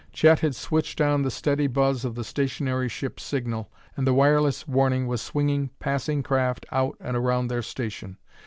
Chet had switched on the steady buzz of the stationary ship signal, and the wireless warning was swinging passing craft out and around their station.